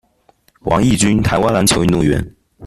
王毅军，台湾篮球运动员。